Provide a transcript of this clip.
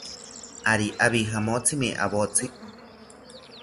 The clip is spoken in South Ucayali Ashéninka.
Ari abijamotsimi awotzi